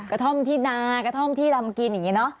กระท่อมที่นากระท่อมที่รำกินอย่างนี้เนอะ